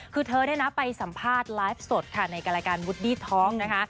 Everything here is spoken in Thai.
คือเธอได้นะไปสัมภาษณ์ไลฟ์สดค่ะในการรายการนะคะ